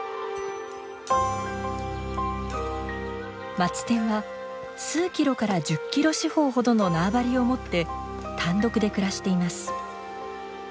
マツテンは数キロから１０キロ四方ほどの縄張りを持って単独で暮らしています。